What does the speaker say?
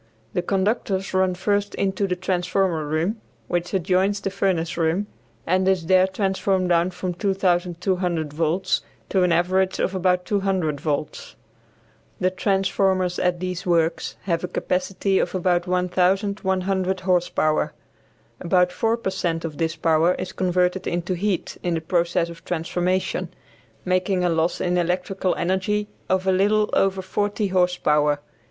The conductors run first into the transformer room, which adjoins the furnace room, and is there transformed down from 2200 volts to an average of about 200 volts. The transformers at these works have a capacity of about 1100 horse power. About 4 per cent of this power is converted into heat in the process of transformation, making a loss in electrical energy of a little over 40 horse power.